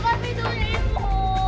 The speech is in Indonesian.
buka pintunya ibu